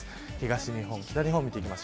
東日本、北日本です。